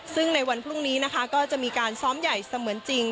ซึ่งในวันพรุ่งนี้นะคะก็จะมีการซ้อมใหญ่เสมือนจริง